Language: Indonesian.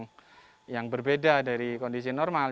kondisi tulang pinggang yang berbeda dari kondisi normal